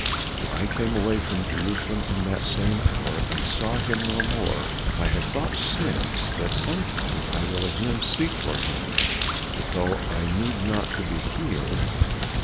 I came away from Jerusalem in that same hour and saw him no more. I have thought since that sometime I will again seek for him, though I need not to be healed."